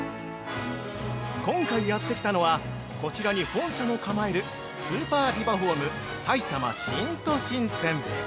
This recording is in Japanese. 今回やってきたのは、こちらに本社も構えるスーパービバホームさいたま新都心店。